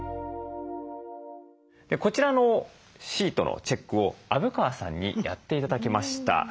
こちらのシートのチェックを虻川さんにやって頂きました。